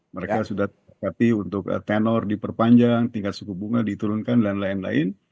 mereka sudah happy untuk tenor diperpanjang tingkat suku bunga diturunkan dan lain lain